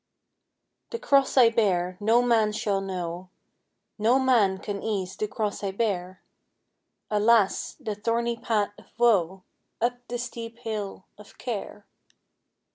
The cross I bear no man shall know No man can ease the cross I bear! Alas! the thorny path of woe Up the steep hill of care!